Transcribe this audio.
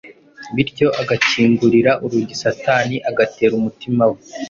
bityo agakingurira urugi Satani agatera umutima we.